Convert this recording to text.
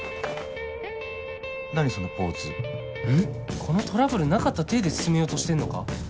このトラブルなかった体で進めようとしてんのか？